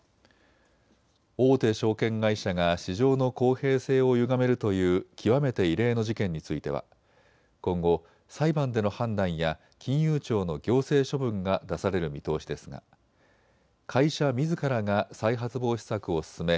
大手証券会社が市場の公平性をゆがめるという極めて異例の事件については今後、裁判での判断や金融庁の行政処分が出される見通しですが会社みずからが再発防止策を進め